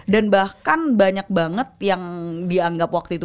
dan bahkan banyak banget yang dianggap waktu itu